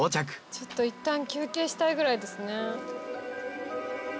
ちょっと一旦休憩したいくらいですね。